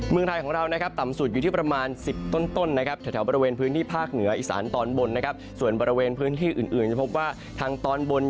เมืองไทยของเรานะครับต่ำสุดอยู่ที่ประมาณ๑๐ต้นนะครับ